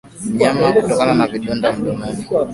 Mnyama kutokwa na vidonda mdomoni